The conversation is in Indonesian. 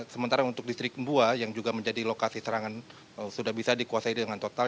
sementara untuk distrik mbua yang juga menjadi lokasi serangan sudah bisa dikuasai dengan total